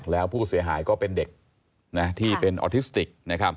แล้วผู้เสียหายก็เป็นเด็กที่เป็นออทิสติก